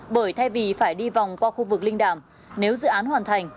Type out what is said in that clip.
bởi thay vì phải đi vòng qua khu vực linh đàm nếu dự án hoàn thành